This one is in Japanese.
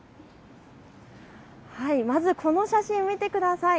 まず、この写真、見てください。